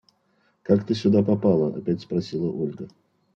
Как ты сюда попала? – опять спросила Ольга.